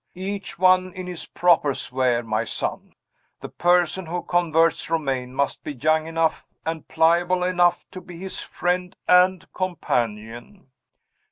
Each one in his proper sphere, my son! The person who converts Romayne must be young enough and pliable enough to be his friend and companion.